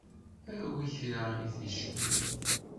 Awi kra i ticki.